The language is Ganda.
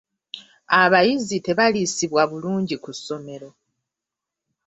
Abayizi tebaliisibwa bulungi ku ssomero.